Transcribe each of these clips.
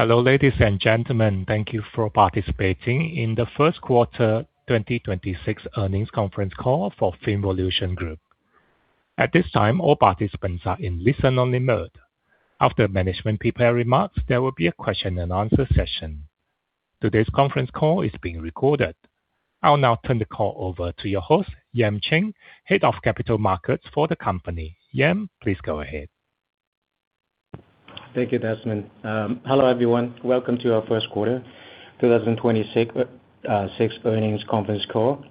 Hello, ladies and gentlemen. Thank you for participating in the first quarter 2026 earnings conference call for FinVolution Group. At this time, all participants are in listen-only mode. After management prepared remarks, there will be a question and answer session. Today's conference call is being recorded. I'll now turn the call over to your host, Yam Cheng, Head of Capital Markets for the company. Yam, please go ahead. Thank you, Desmond. Hello, everyone. Welcome to our first quarter 2026 earnings conference call.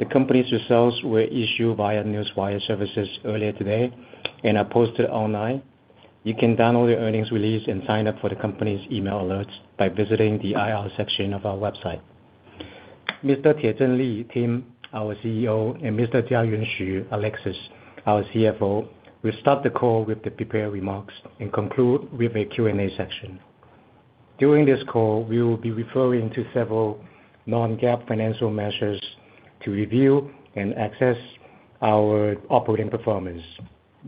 The company's results were issued via Newswire Services earlier today and are posted online. You can download the earnings release and sign up for the company's email alerts by visiting the IR section of our website. Mr. Tiezheng Li, Tim, our CEO, and Mr. Jiayuan Xu, Alexis, our CFO, will start the call with the prepared remarks and conclude with a Q&A section. During this call, we will be referring to several non-GAAP financial measures to review and access our operating performance.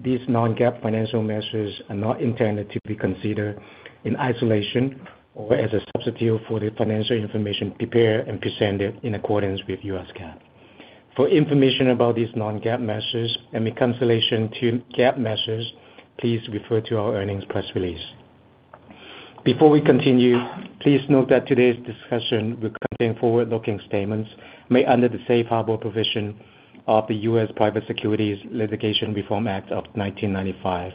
These non-GAAP financial measures are not intended to be considered in isolation or as a substitute for the financial information prepared and presented in accordance with US GAAP. For information about these non-GAAP measures and reconciliation to GAAP measures, please refer to our earnings press release. Before we continue, please note that today's discussion will contain forward-looking statements made under the safe harbor provision of the U.S. Private Securities Litigation Reform Act of 1995.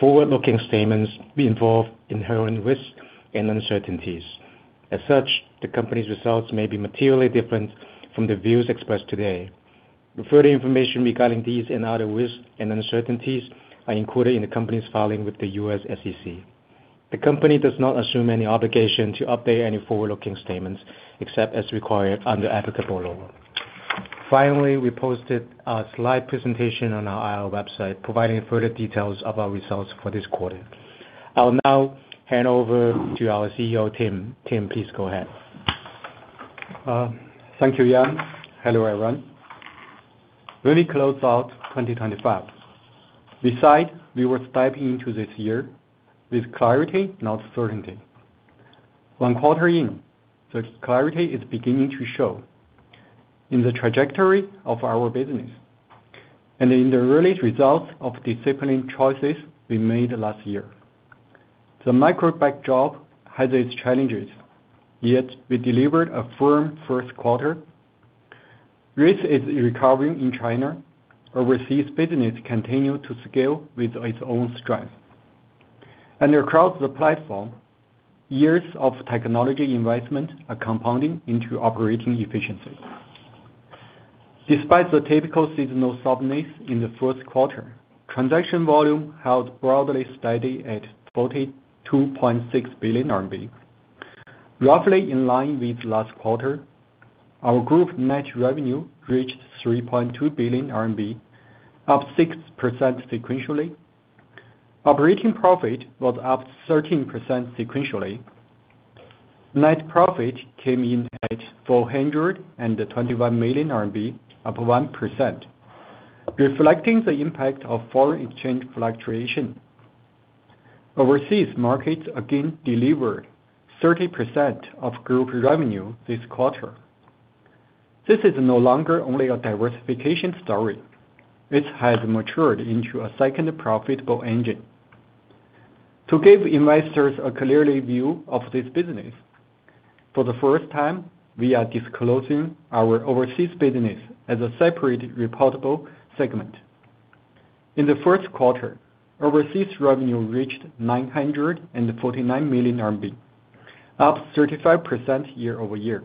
Forward-looking statements involve inherent risks and uncertainties. As such, the company's results may be materially different from the views expressed today. Further information regarding these and other risks and uncertainties are included in the company's filing with the U.S. SEC. The company does not assume any obligation to update any forward-looking statements, except as required under applicable law. Finally, we posted a slide presentation on our IR website providing further details of our results for this quarter. I'll now hand over to our CEO, Tim. Tim, please go ahead. Thank you, Yam. Hello, everyone. When we closed out 2025, we said we were stepping into this year with clarity, not certainty. One quarter in, the clarity is beginning to show in the trajectory of our business and in the early results of disciplined choices we made last year. The macro backdrop has its challenges, yet we delivered a firm first quarter. Risk is recovering in China. Overseas business continue to scale with its own strength. Across the platform, years of technology investment are compounding into operating efficiency. Despite the typical seasonal softness in the first quarter, transaction volume held broadly steady at 42.6 billion RMB, roughly in line with last quarter. Our group net revenue reached 3.2 billion RMB, up 6% sequentially. Operating profit was up 13% sequentially. Net profit came in at 421 million RMB, up 1%, reflecting the impact of foreign exchange fluctuation. Overseas markets again delivered 30% of group revenue this quarter. This is no longer only a diversification story. It has matured into a second profitable engine. To give investors a clearer view of this business, for the first time, we are disclosing our overseas business as a separate reportable segment. In the first quarter, overseas revenue reached 949 million RMB, up 35% year-over-year.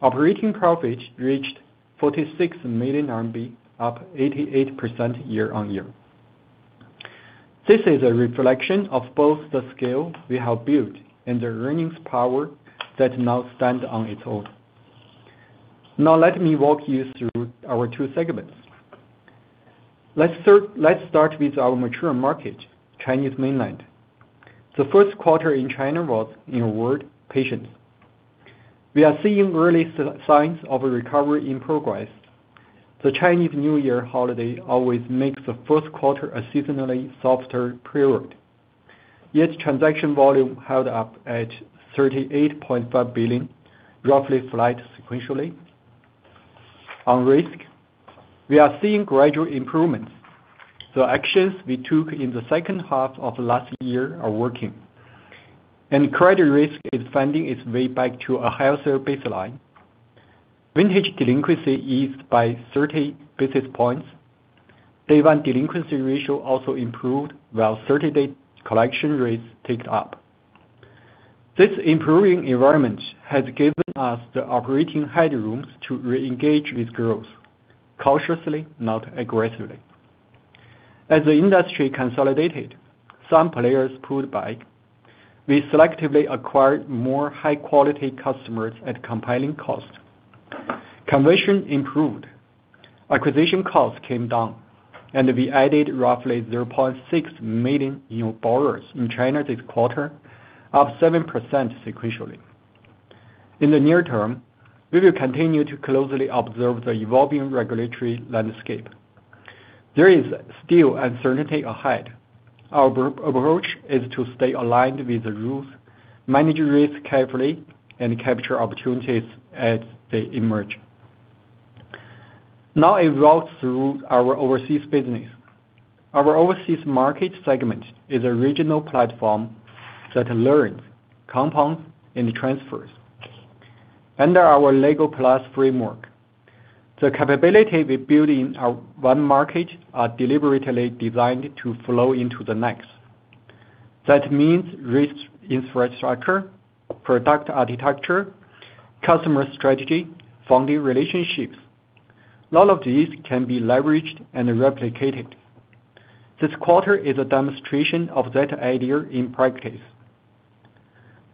Operating profit reached 46 million RMB, up 88% year-on-year. This is a reflection of both the scale we have built and the earnings power that now stand on its own. Now, let me walk you through our two segments. Let's start with our mature market, Chinese mainland. The first quarter in China was, in a word, patience. We are seeing early signs of a recovery in progress. The Chinese New Year holiday always makes the first quarter a seasonally softer period, yet transaction volume held up at 38.5 billion, roughly flat sequentially. On risk, we are seeing gradual improvements. The actions we took in the second half of last year are working. Credit risk is finding its way back to a healthier baseline. Vintage delinquency eased by 30 basis points. Day one delinquency ratio also improved while 30-day collection rates ticked up. This improving environment has given us the operating headroom to reengage with growth cautiously, not aggressively. As the industry consolidated, some players pulled back. We selectively acquired more high-quality customers at compelling cost. Conversion improved, acquisition costs came down. We added roughly 0.6 million new borrowers in China this quarter, up 7% sequentially. In the near term, we will continue to closely observe the evolving regulatory landscape. There is still uncertainty ahead. Our approach is to stay aligned with the rules, manage risk carefully, and capture opportunities as they emerge. Now I walk through our overseas business. Our overseas market segment is a regional platform that learns, compounds, and transfers. Under our LEGO+ framework, the capability we build in one market are deliberately designed to flow into the next. That means risk infrastructure, product architecture, customer strategy, funding relationships. All of these can be leveraged and replicated. This quarter is a demonstration of that idea in practice.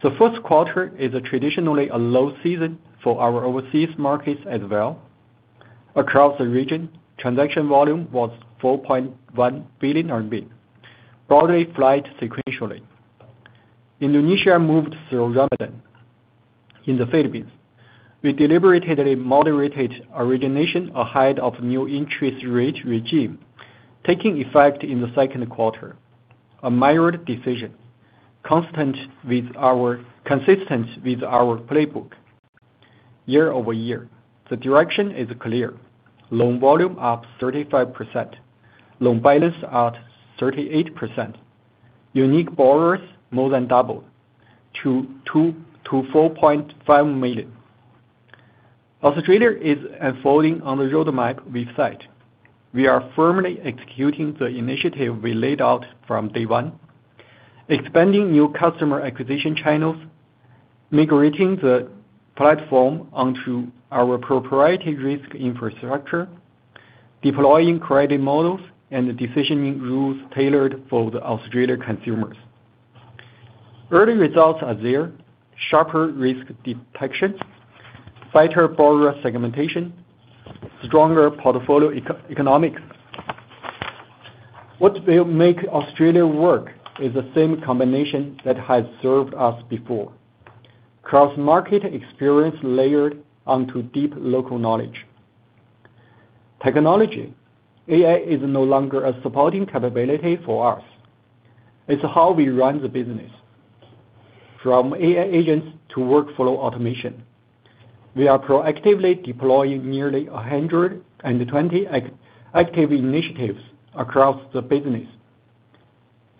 The first quarter is traditionally a low season for our overseas markets as well. Across the region, transaction volume was 4.1 billion RMB, broadly flat sequentially. Indonesia moved through rapidly. In the Philippines, we deliberately moderated origination ahead of new interest rate regime, taking effect in the second quarter, a measured decision, consistent with our playbook. Year-over-year, the direction is clear. Loan volume up 35%, loan balance up 38%. Unique borrowers more than doubled to 4.5 million. Australia is unfolding on the roadmap we set. We are firmly executing the initiative we laid out from day one, expanding new customer acquisition channels, migrating the platform onto our proprietary risk infrastructure, deploying credit models and decisioning rules tailored for the Australian consumers. Early results are there, sharper risk detection, tighter borrower segmentation, stronger portfolio economics. What will make Australia work is the same combination that has served us before. Cross-market experience layered onto deep local knowledge. Technology, AI is no longer a supporting capability for us. It's how we run the business. From AI agents to workflow automation, we are proactively deploying nearly 120 active initiatives across the business,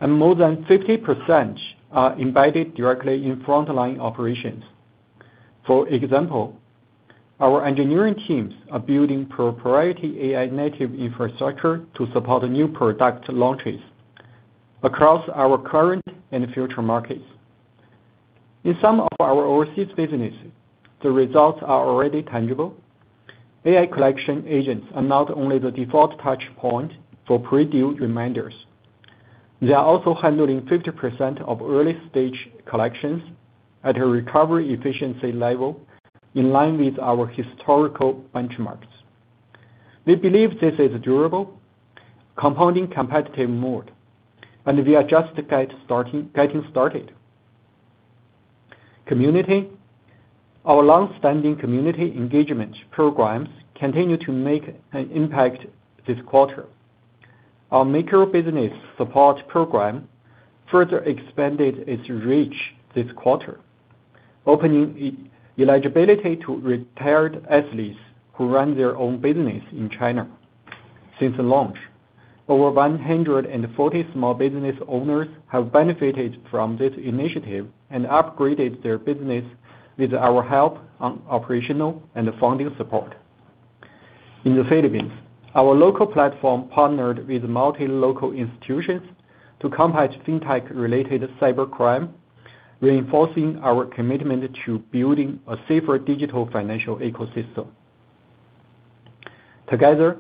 and more than 50% are embedded directly in frontline operations. For example, our engineering teams are building proprietary AI-native infrastructure to support new product launches across our current and future markets. In some of our overseas businesses, the results are already tangible. AI collection agents are not only the default touchpoint for pre-due reminders, they are also handling 50% of early-stage collections at a recovery efficiency level in line with our historical benchmarks. We believe this is a durable, compounding competitive moat. We are just getting started. Community. Our longstanding community engagement programs continue to make an impact this quarter. Our micro business support program further expanded its reach this quarter, opening eligibility to retired athletes who run their own business in China. Since launch, over 140 small business owners have benefited from this initiative and upgraded their business with our help on operational and funding support. In the Philippines, our local platform partnered with multi-local institutions to combat fintech-related cybercrime, reinforcing our commitment to building a safer digital financial ecosystem. Together,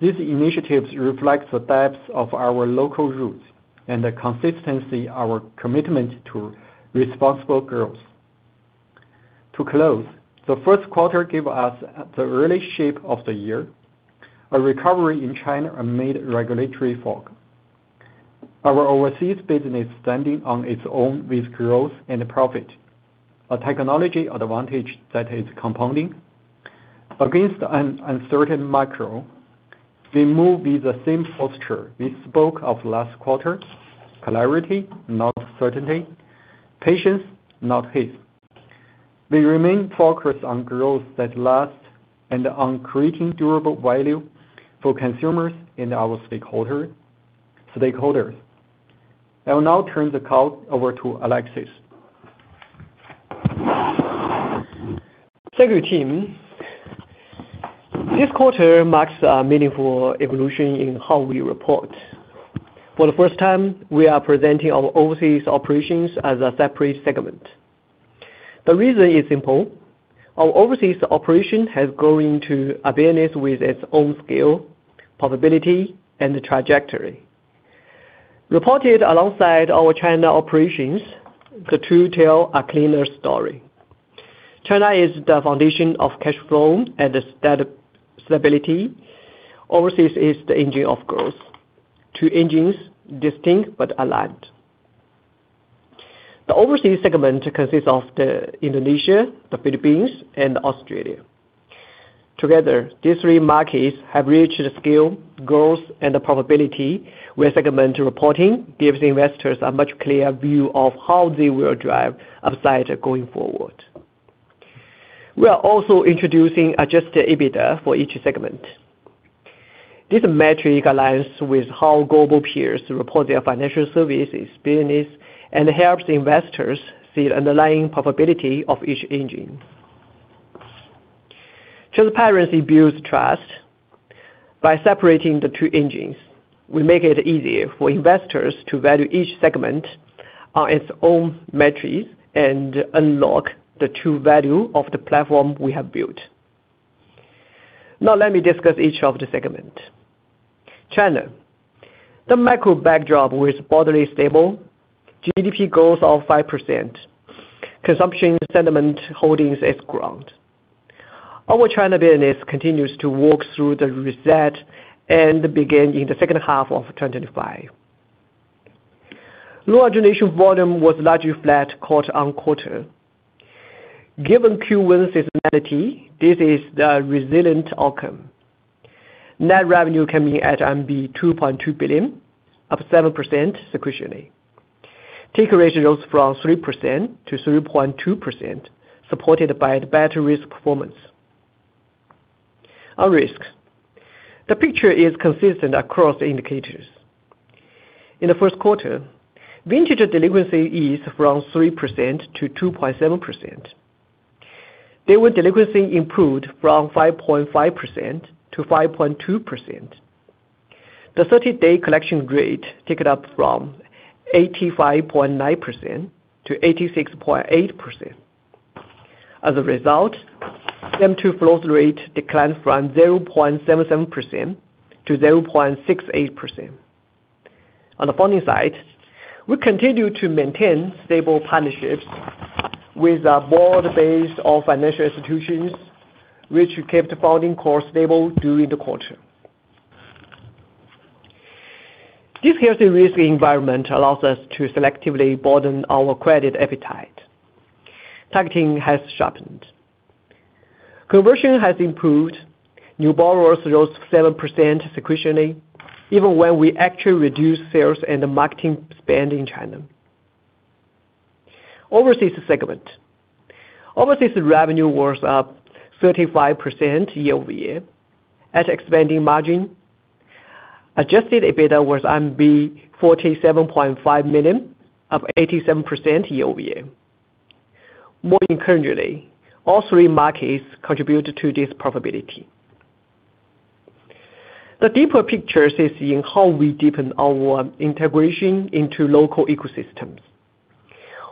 these initiatives reflect the depth of our local roots and the consistency our commitment to responsible growth. To close, the first quarter gave us the early shape of the year, a recovery in China amid regulatory fog. Our overseas business standing on its own with growth and profit, a technology advantage that is compounding. Against an uncertain macro, we move with the same posture we spoke of last quarter, clarity, not certainty, patience, not haste. We remain focused on growth that lasts and on creating durable value for consumers and our stakeholders. I will now turn the call over to Alexis. Thanks, Tim. This quarter marks a meaningful evolution in how we report. For the first time, we are presenting our overseas operations as a separate segment. The reason is simple. Our overseas operation has grown into a business with its own scale, profitability, and trajectory. Reported alongside our China operations, the two tell a clearer story. China is the foundation of cash flow and stability. Overseas is the engine of growth. Two engines, distinct but aligned. The overseas segment consists of Indonesia, the Philippines, and Australia. Together, these three markets have reached the scale, growth, and profitability where segment reporting gives investors a much clearer view of how they will drive upside going forward. We are also introducing adjusted EBITDA for each segment. This metric aligns with how global peers report their financial services business and helps investors see the underlying profitability of each engine. Transparency builds trust. By separating the two engines, we make it easier for investors to value each segment on its own metrics and unlock the true value of the platform we have built. Now let me discuss each of the segments. China. The macro backdrop was broadly stable. GDP growth of 5%. Consumption sentiment holding safe ground. Our China business continues to work through the reset and begin in the second half of 2025. Loan origination volume was largely flat quarter-on-quarter. Given Q1 seasonality, this is a resilient outcome. Net revenue coming in at 2.2 billion, up 7% sequentially. Take rate rose from 3% to 3.2%, supported by better risk performance. On risk, the picture is consistent across indicators. In the first quarter, vintage delinquency eased from 3% to 2.7%. Day 1 delinquency improved from 5.5% to 5.2%. The 30-day collection rate ticked up from 85.9% to 86.8%. As a result, M2 default rate declined from 0.77% to 0.68%. On the funding side, we continue to maintain stable partnerships with a broad base of financial institutions, which kept the funding cost stable during the quarter. This healthier risk environment allows us to selectively broaden our credit appetite. Targeting has sharpened. Conversion has improved. New borrowers rose 7% sequentially, even when we actually reduced sales and marketing spend in China. Overseas segment. Overseas revenue was up 35% year-over-year at expanding margin. Adjusted EBITDA was 47.5 million, up 87% year-over-year. More importantly, all three markets contributed to this profitability. The deeper picture is seeing how we deepen our integration into local ecosystems.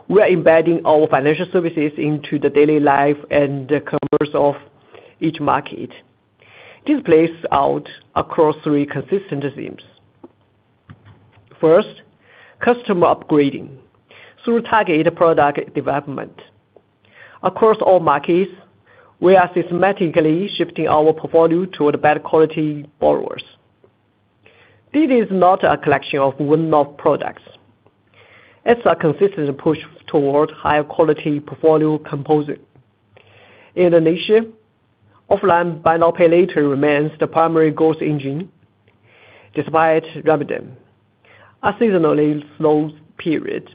We are embedding our financial services into the daily life and the commerce of each market. This plays out across three consistent themes. First, customer upgrading through targeted product development. Across all markets, we are systematically shifting our portfolio to better quality borrowers. This is not a collection of one-off products. It's a consistent push toward higher quality portfolio composition. In Indonesia, offline buy now, pay later remains the primary growth engine despite Ramadan, a seasonally slow period.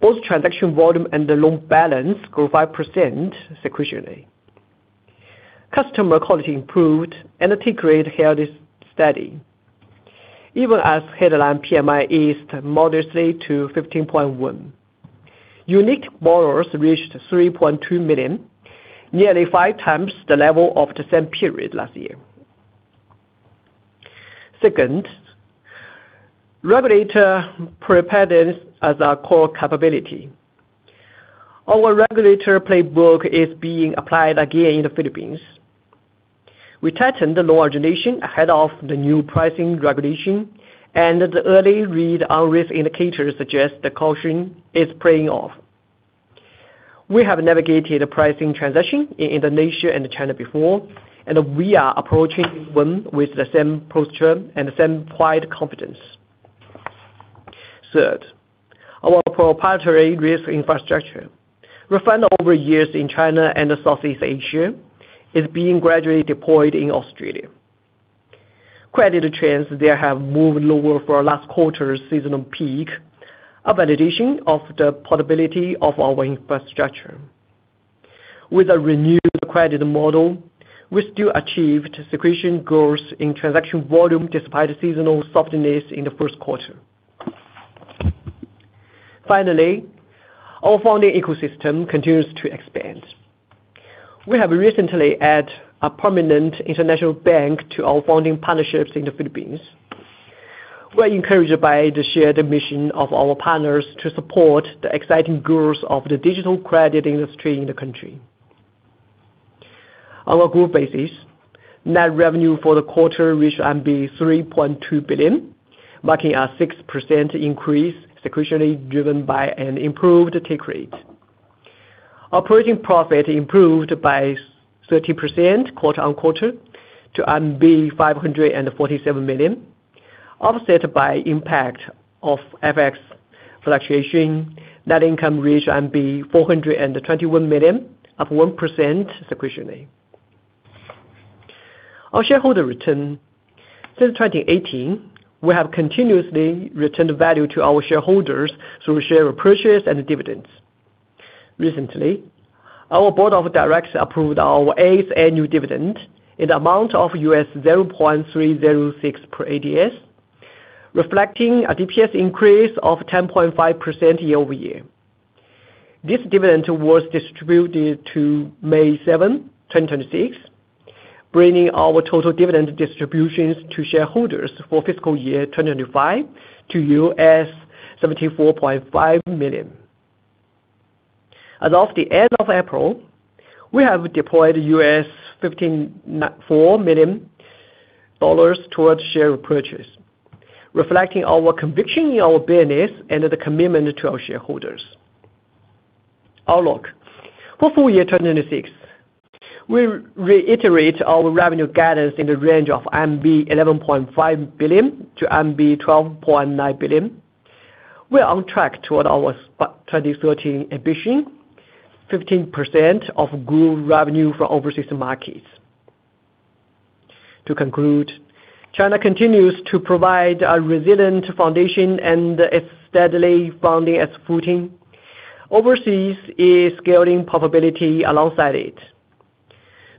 Both transaction volume and loan balance grew 5% sequentially. Customer quality improved and ARPU held steady. Even as headline PMI eased modestly to 50.1. Unique borrowers reached 3.2 million, nearly five times the level of the same period last year. Second, regulator preparedness as a core capability. Our regulator playbook is being applied again in the Philippines. We tightened loan origination ahead of the new pricing regulation, and the early read on risk indicators suggests the caution is paying off. We have navigated a pricing transition in Indonesia and China before, and we are approaching this one with the same posture and the same quiet confidence. Third, our proprietary risk infrastructure refined over years in China and Southeast Asia is being gradually deployed in Australia. Credit trends there have moved lower from last quarter's seasonal peak, a validation of the portability of our infrastructure. With a renewed credit model, we still achieved sequential growth in transaction volume despite seasonal softness in the first quarter. Finally, our funding ecosystem continues to expand. We have recently added a prominent international bank to our funding partnerships in the Philippines. We're encouraged by the shared mission of our partners to support the exciting growth of the digital credit industry in the country. On a group basis, net revenue for the quarter reached 3.2 billion, marking a 6% increase sequentially driven by an improved take rate. Operating profit improved by 30% quarter on quarter to 547 million, offset by impact of FX fluctuation. Net income reached 421 million, up 1% sequentially. Our shareholder return. Since 2018, we have continuously returned value to our shareholders through share repurchase and dividends. Recently, our Board of Directors approved our eighth annual dividend in the amount of $0.306 per ADS, reflecting a DPS increase of 10.5% year-over-year. This dividend was distributed to May 7th, 2026, bringing our total dividend distributions to shareholders for fiscal year 2025 to $74.5 million. As of the end of April, we have deployed $54 million towards share repurchase, reflecting our conviction in our business and the commitment to shareholders. Outlook. For full year 2026, we reiterate our revenue guidance in the range of 11.5 billion-12.9 billion. We are on track toward our 2030 ambition, 15% of group revenue for overseas markets. To conclude, China continues to provide a resilient foundation and it's steadily finding its footing. Overseas is scaling profitability alongside it.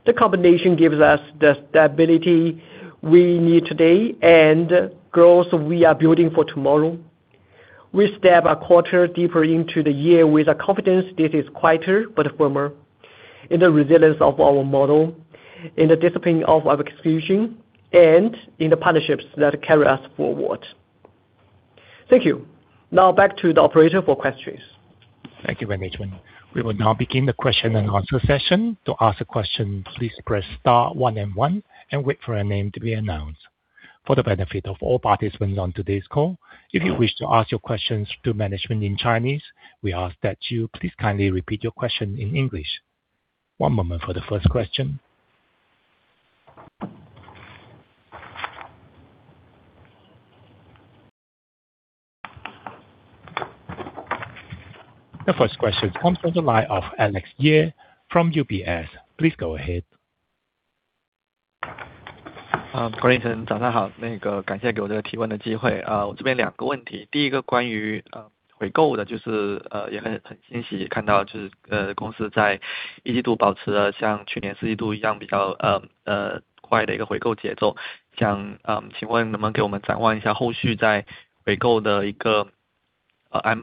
The combination gives us the stability we need today and growth we are building for tomorrow. We step a quarter deeper into the year with a confidence that is quieter but firmer in the resilience of our model, in the discipline of our execution, and in the partnerships that carry us forward. Thank you. Now back to the operator for questions. Thank you very much. We will now begin the question and answer session. To ask a question, please press star one and one and wait for your name to be announced. For the benefit of all participants on today's call, if you wish to ask your questions to management in Chinese, we ask that you please kindly repeat your question in English. One moment for the first question. The first question comes from the line of Xiaoxiong Ye from UBS. Please go ahead. Good morning.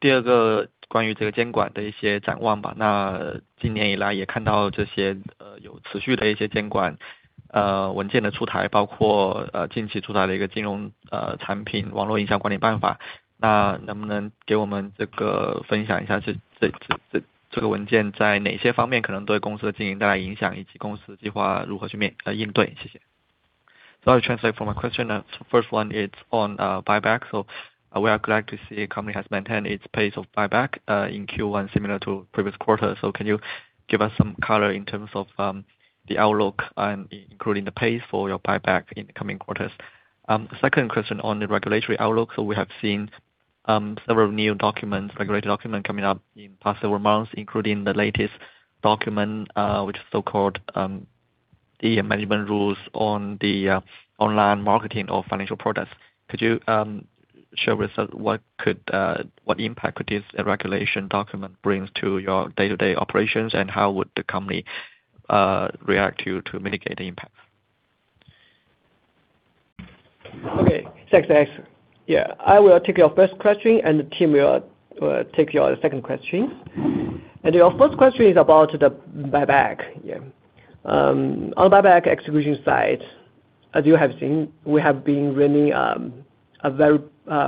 Thank you for the opportunity. Two questions. First, on buyback, we are glad to see the company has maintained its pace of buyback in Q1 similar to previous quarters. Can you give us some color in terms of the outlook, including the pace for your buyback in coming quarters? Second question on the regulatory outlook. We have seen several new regulatory documents coming up in past several months, including the latest document, which is so-called the management rules on the online marketing of financial products. Could you share with us what impact could this regulation document bring to your day-to-day operations, and how would the company react to mitigate the impact? Okay. Thanks. I will take your first question, and the team will take your second question. Your first question is about the buyback. On buyback execution side, as you have seen, we have been really at a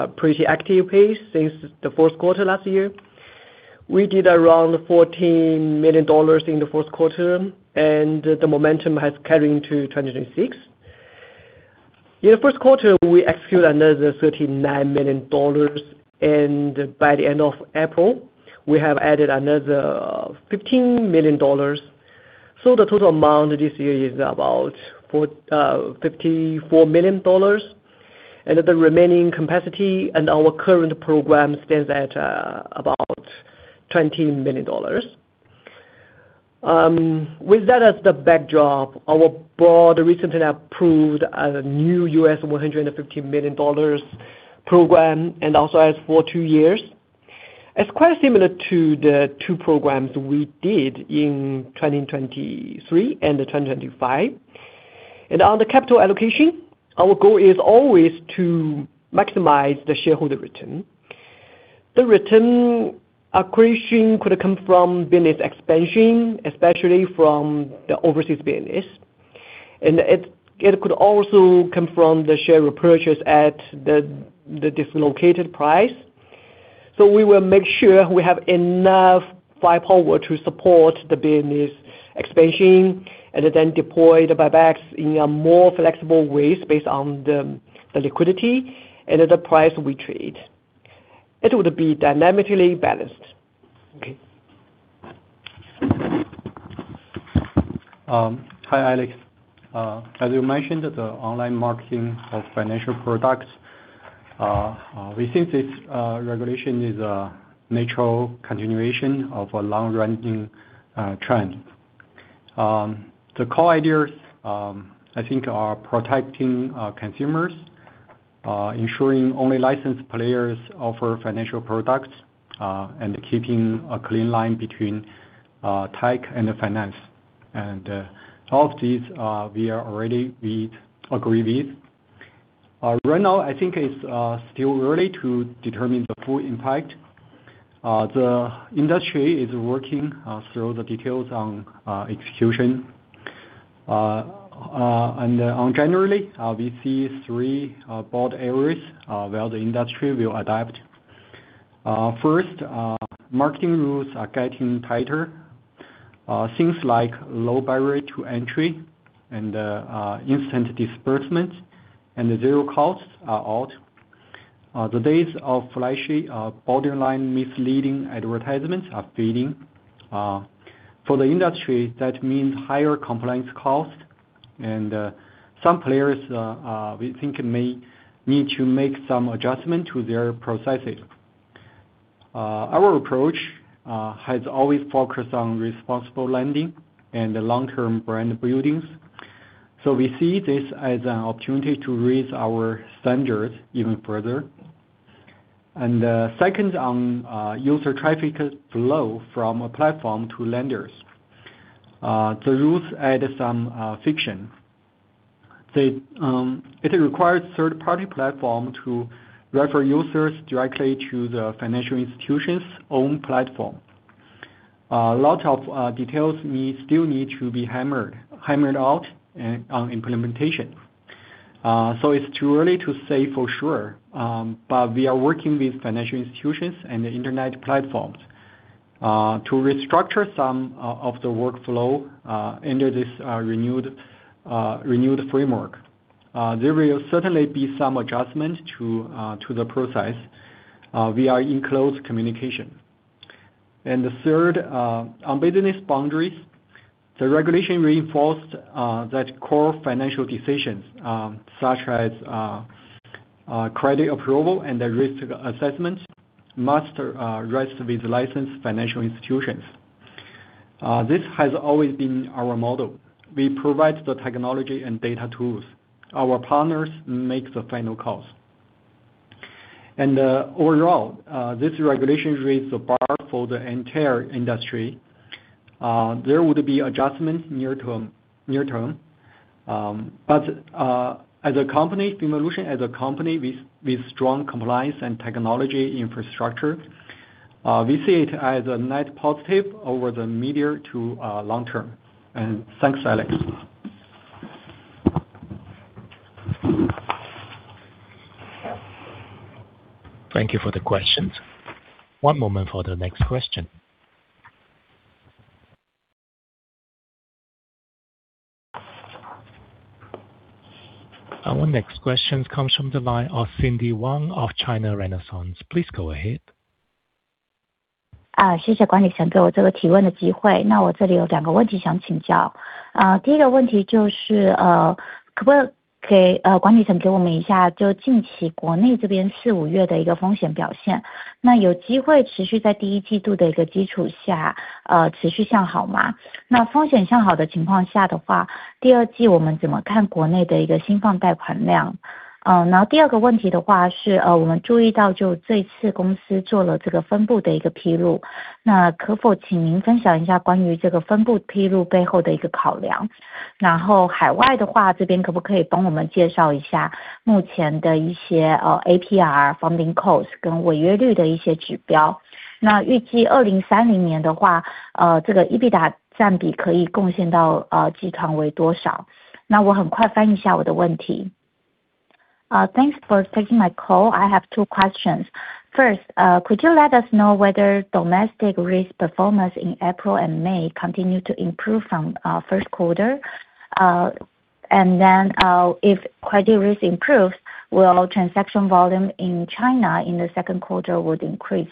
pretty active pace since the fourth quarter last year. We did around $14 million in the fourth quarter. The momentum has carried into 2026. In the first quarter, we executed another $39 million. By the end of April, we have added another $15 million. The total amount this year is about $54 million. The remaining capacity in our current program stands at about $20 million. With that as the backdrop, our board recently approved a new $150 million program and also lasts for two years. It's quite similar to the two programs we did in 2023 and 2025. On the capital allocation, our goal is always to maximize the shareholder return. The return accretion could come from business expansion, especially from the overseas business, and it could also come from the share repurchase at the dislocated price. We will make sure we have enough firepower to support the business expansion and then deploy the buybacks in a more flexible way based on the liquidity and the price we trade. It will be dynamically balanced. Hi, Alex. As you mentioned, the online marketing for financial products, we think this regulation is a natural continuation of a long-running trend. The core ideas, I think, are protecting consumers, ensuring only licensed players offer financial products, and keeping a clean line between tech and finance. Some of these we agree with. Right now, I think it's still early to determine the full impact. The industry is working through the details on execution. Generally, we see three broad areas where the industry will adapt. First, marketing rules are getting tighter. Things like low barrier to entry and instant disbursement and zero costs are out. The days of flashy, borderline misleading advertisements are fading. For the industry, that means higher compliance costs, and some players we think may need to make some adjustments to their processes. Our approach has always focused on responsible lending and long-term brand building. We see this as an opportunity to raise our standards even further. Second, on user traffic flow from a platform to lenders. The rules add some friction. It requires third-party platform to refer users directly to the financial institution's own platform. A lot of details still need to be hammered out on implementation. It's too early to say for sure. We are working with financial institutions and internet platforms to restructure some of the workflow under this renewed framework. There will certainly be some adjustments to the process. We are in close communication. Third, on business boundaries. The regulation reinforced that core financial decisions such as credit approval and risk assessments must rest with licensed financial institutions. This has always been our model. We provide the technology and data tools. Our partners make the final calls. Overall, this regulation raised the bar for the entire industry. There would be adjustments near term. FinVolution as a company with strong compliance and technology infrastructure, we see it as a net positive over the medium to long term and thanks, Alex. Thank you for the questions. One moment for the next question. Our next question comes from the line of Cindy Wang of China Renaissance. Please go ahead. Thanks for taking my call. I have two questions. First, could you let us know whether domestic risk performance in April and May continued to improve from first quarter? If credit risk improves, will transaction volume in China in the second quarter would increase?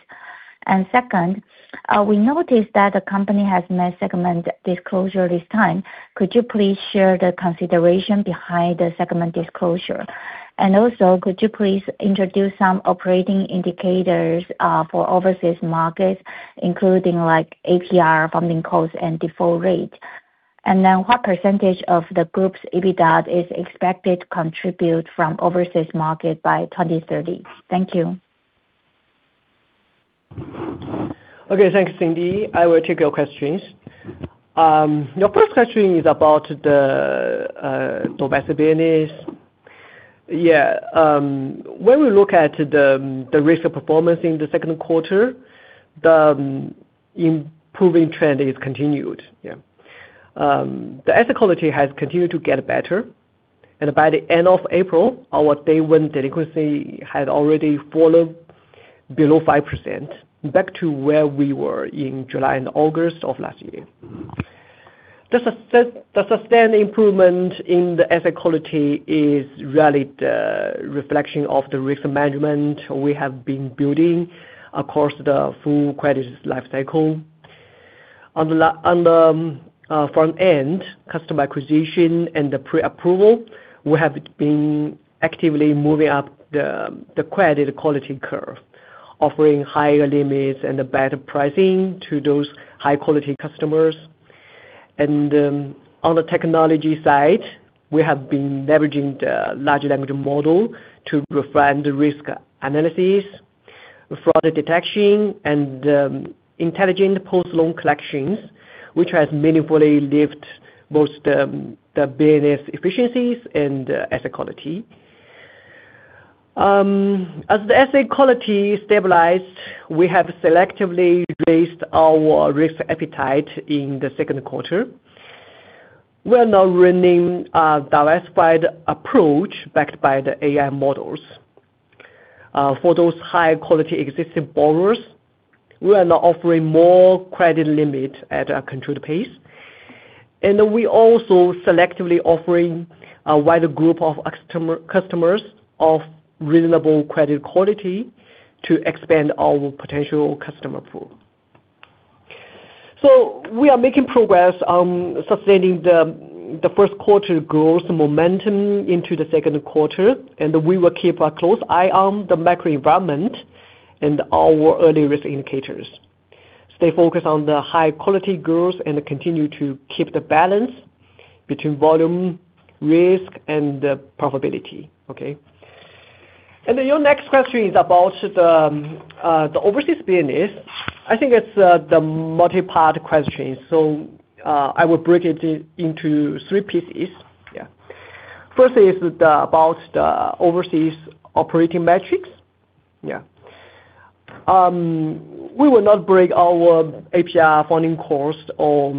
We noticed that the company has made segment disclosure this time. Could you please share the consideration behind the segment disclosure? Could you please introduce some operating indicators for overseas markets including APR, funding costs, and default rate? What percentage of the group's EBITDA is expected to contribute from overseas market by 2030? Thank you. Okay. Thanks, Cindy. I will take your questions. Your first question is about domestic business. When we look at the risk performance in the second quarter, the improving trend is continued. Yeah The asset quality has continued to get better, and by the end of April, our day one delinquency had already fallen below 5%, back to where we were in July and August of last year. The sustained improvement in the asset quality is really the reflection of the risk management we have been building across the full credit lifecycle. On the front end, customer acquisition and the pre-approval, we have been actively moving up the credit quality curve, offering higher limits and better pricing to those high-quality customers. On the technology side, we have been leveraging the large language model to refine the risk analysis, fraud detection, and intelligent post-loan collections, which has meaningfully lifted both the business efficiencies and asset quality. As asset quality stabilized, we have selectively raised our risk appetite in the second quarter. We are now running a diversified approach backed by the AI models. For those high-quality existing borrowers, we are now offering more credit limit at a controlled pace. We also selectively offering a wider group of customers of reasonable credit quality to expand our potential customer pool. We are making progress sustaining the first quarter growth momentum into the second quarter, and we will keep a close eye on the macro environment and our early risk indicators. Stay focused on the high-quality growth and continue to keep the balance between volume, risk, and profitability. Okay. Your next question is about the overseas business. I think it's the multi-part question. I will break it into three pieces. Yeah. First is about the overseas operating metrics. Yeah. We will not break our APR funding cost or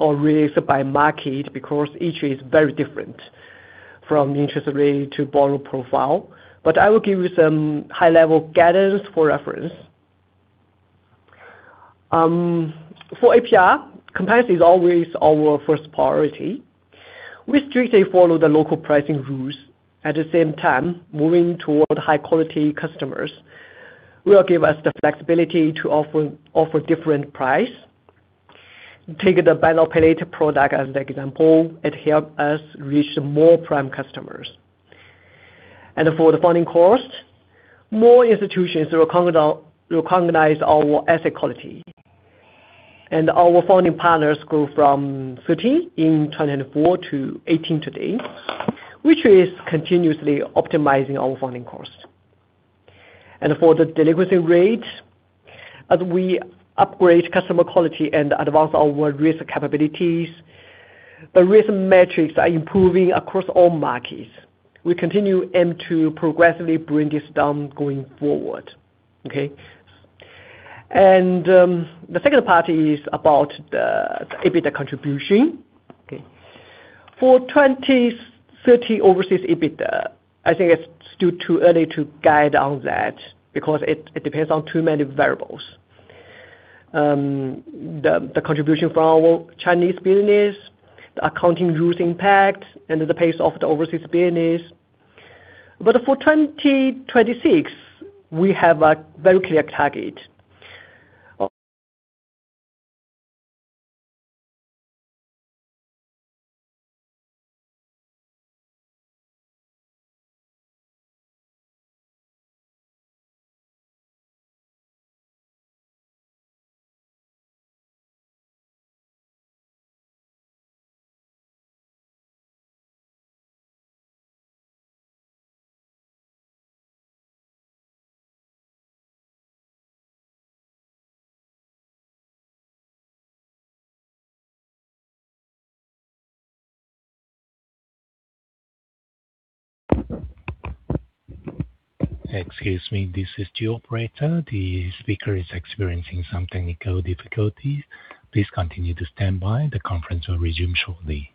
release it by market because each is very different from interest rate to borrowing profile, but I will give you some high-level guidance for reference. APR, competitive is always our first priority. We strictly follow the local pricing rules, at the same time, moving toward high-quality customers will give us the flexibility to offer different price. Take the bank operator product as an example. It help us reach more prime customers. For the funding cost, more institutions will recognize our asset quality. Our funding partners grow from 15 in 2024 to 18 today, which is continuously optimizing our funding cost. For the delinquency rate, as we upgrade customer quality and advance our risk capabilities, the risk metrics are improving across all markets. We continue aim to progressively bring this down going forward. Okay. The second part is about the EBITDA contribution. For 2030 overseas EBITDA, I think it's still too early to guide on that because it depends on too many variables, the contribution for our Chinese business, the accounting rules impact, and the pace of the overseas business. For 2026, we have a very clear target. Excuse me, this is the operator. The speaker is experiencing some technical difficulties. Please continue to stand by. The conference will resume shortly.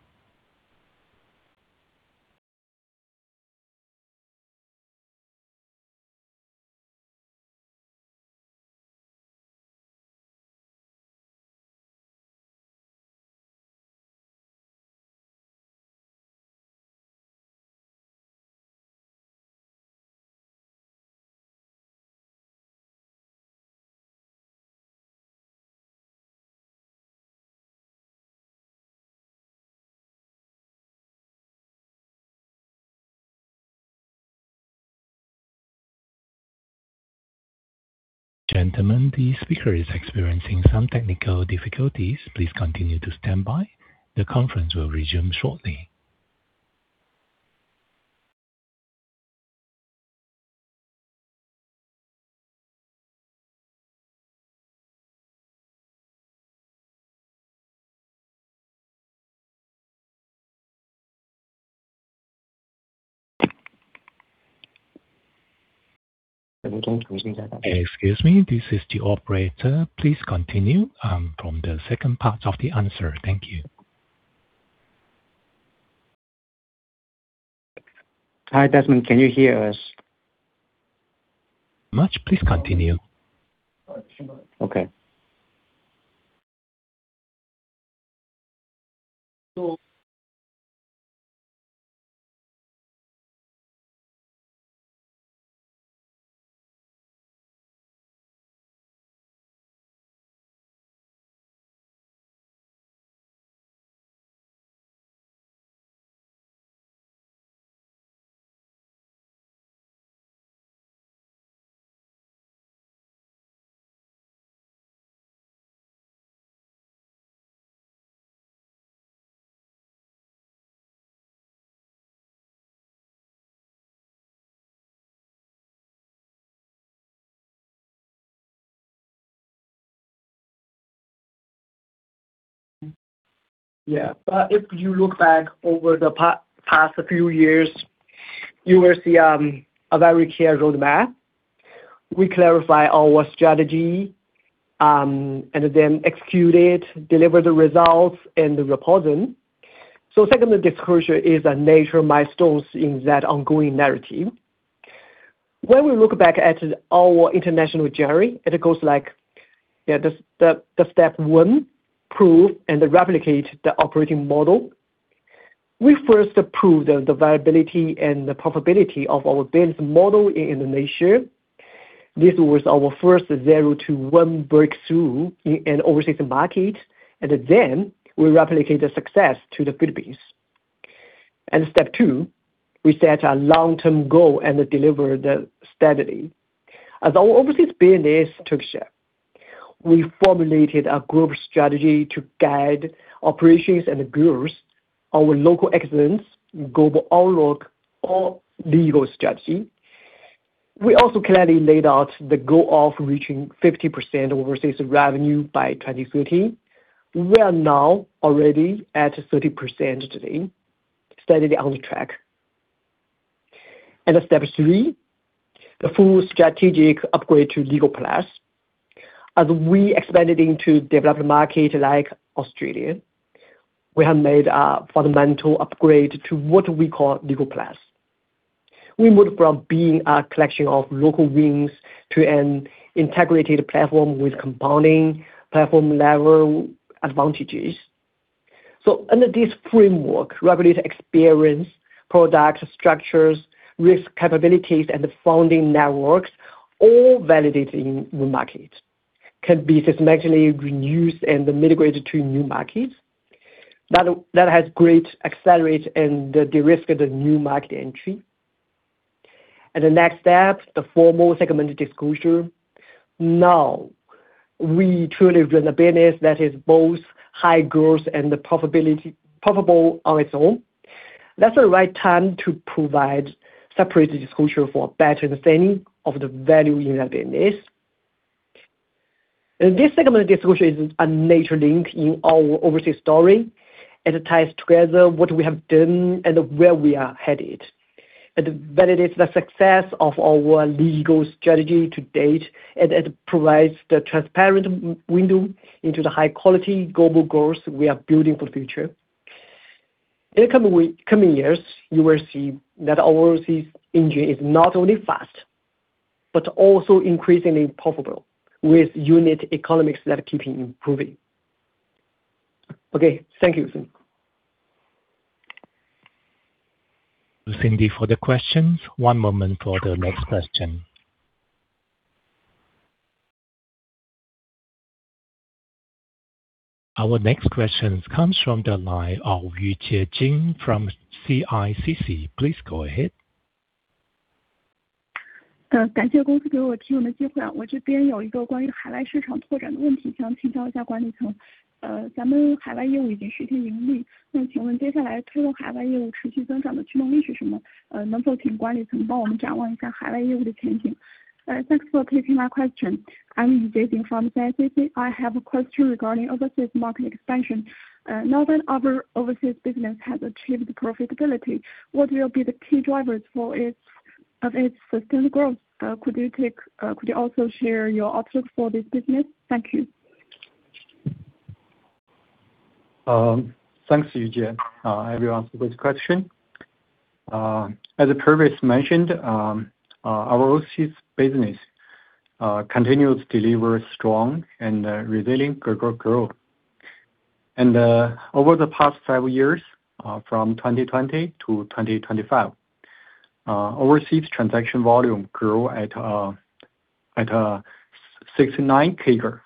Gentlemen, the speaker is experiencing some technical difficulties. Please continue to stand by. The conference will resume shortly. Excuse me, this is the operator. Please continue from the second part of the answer. Thank you. Hi Desmond, can you hear us? Much, please continue. Okay. If you look back over the past few years, you will see a very clear roadmap. We clarify our strategy, execute it, deliver the results, and report them. Segmented disclosure is a major milestone in that ongoing narrative. When we look back at our international journey, it goes like this. Step 1, prove and replicate the operating model. We first approved the viability and the profitability of our business model in Indonesia. This was our first zero to one breakthrough in overseas market. We replicate the success to the Philippines. Step 2, we set a long-term goal and deliver that steadily. As our overseas business took shape, we formulated a group strategy to guide operations and growth, our Local Excellence, Global Outlook, or LEGO strategy. We also clearly laid out the goal of reaching 50% overseas revenue by 2050. We are now already at 30% today, steadily on track. Step 3, the full strategic upgrade to LEGO+. As we expanded into developed markets like Australia, we have made a fundamental upgrade to what we call LEGO+. We moved from being a collection of local wings to an integrated platform with compounding platform-level advantages. Under this framework, replicate experience, product structures, risk capabilities, and founding networks, all validated in new markets can be systematically reused and migrated to new markets. That has greatly accelerated the de-risk of new market entry. The next step, the formal segmented disclosure. Now, we truly have built a business that is both high growth and profitable on its own. That's the right time to provide separate disclosure for better understanding of the value in our business. This segmented disclosure is a major link in our overseas story, and it ties together what we have done and where we are headed. Validates the success of our LEGO strategy to date, and it provides a transparent window into the high-quality global growth we are building for future. In the coming years, you will see that overseas engine is not only fast, but also increasingly profitable, with unit economics that keeping improving. Okay. Thank you. Thanku, for the questions. One moment for the next question. Our next question comes from the line of [Yujie Jing] from CICC. Please go ahead. Thanks for taking my question. I'm [Yujie Jing] from CICC. I have a question regarding overseas market expansion. Now that other overseas business has achieved profitability, what will be the key drivers for its sustainable growth? Could you also share your outlook for this business? Thank you. Thanks, Yujie Jing. I will answer this question. As previously mentioned, our overseas business continues to deliver strong and resilient further growth. Over the past five years, from 2020 to 2025, overseas transaction volume grew at 69% CAGR.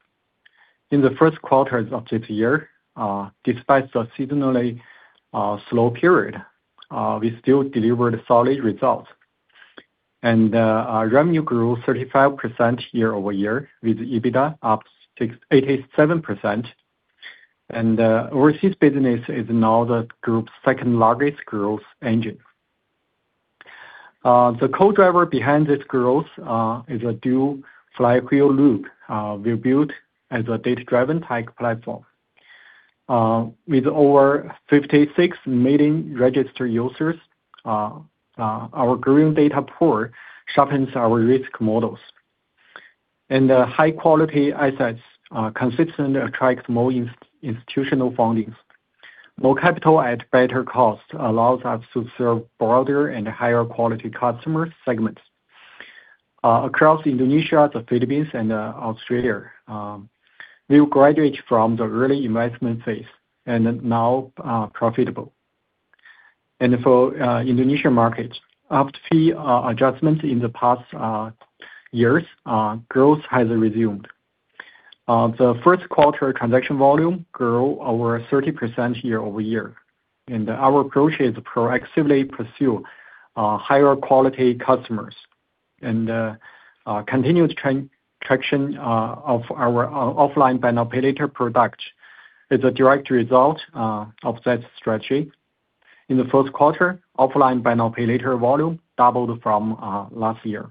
In the first quarter of this year, despite the seasonally slow period, we still delivered solid results. Revenue grew 35% year-over-year, with EBITDA up 87%. Overseas business is now the group's second-largest growth engine. The co-driver behind this growth is a dual flywheel loop we built as a data-driven tech platform. With over 56 million registered users, our growing data pool sharpens our risk models. The high-quality assets consistently attract more institutional funding. More capital at better cost allows us to serve broader and higher quality customer segments across Indonesia, the Philippines, and Australia. We have graduated from the early investment phase and are now profitable. For Indonesia market, after the adjustments in the past years, growth has resumed. The first quarter transaction volume grew over 30% year-over-year, and our approach is to proactively pursue higher quality customers. The continuous traction of our offline BNPL product is a direct result of that strategy. In the first quarter, offline BNPL volume doubled from last year.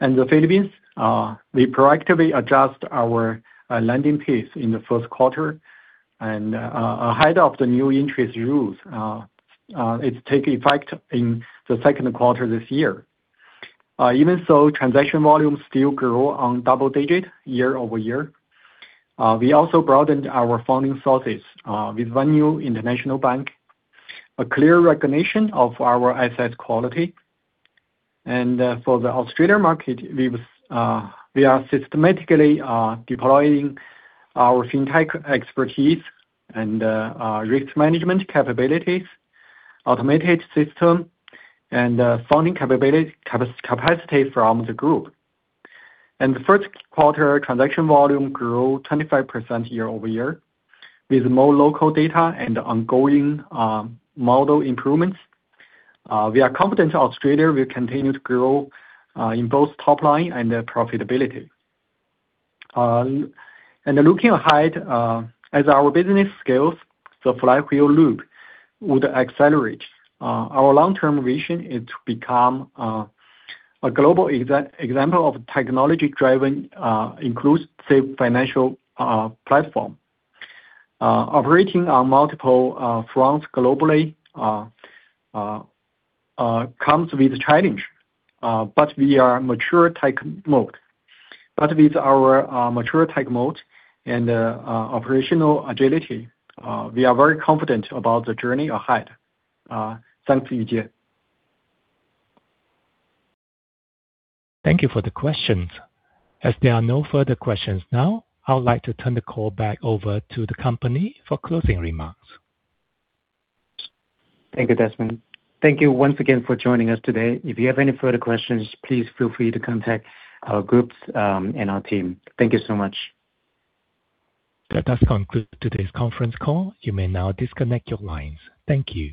In the Philippines, we proactively adjusted our lending pace in the first quarter ahead of the new interest rules. It took effect in the second quarter this year. Even so, transaction volume still grew on double digits year-over-year. We also broadened our funding sources with one new international bank, a clear recognition of our asset quality. For the Australia market, we are systematically deploying our fintech expertise and risk management capabilities, automated system, and funding capacity from the group. In the first quarter, transaction volume grew 25% year-over-year. With more local data and ongoing model improvements, we are confident Australia will continue to grow in both top line and profitability. Looking ahead, as our business scales, the flywheel loop would accelerate. Our long-term vision is to become a global example of a technology-driven, inclusive financial platform. Operating on multiple fronts globally comes with a challenge. With our mature tech moat and operational agility, we are very confident about the journey ahead. Thanks. Thank you for the questions. As there are no further questions now, I would like to turn the call back over to the company for closing remarks. Thank you, Desmond. Thank you once again for joining us today. If you have any further questions, please feel free to contact our groups and our team. Thank you so much. That does conclude today's conference call. You may now disconnect your lines. Thank you.